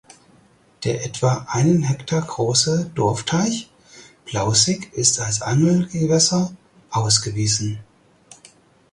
Der etwa einen Hektar große Dorfteich Plaußig ist als Angelgewässer ausgewiesen.